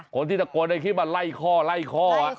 คนที่ตะโกนได้คิดว่าไล่ข้อไล่ข้อ